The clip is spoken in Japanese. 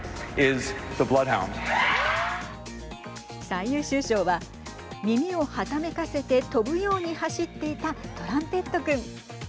最優秀賞は耳をはためかせて飛ぶように走っていたトランペット君。